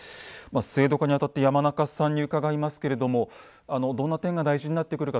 制度化にあたって山中さんに伺いますけれどもどんな点が大事になってくるか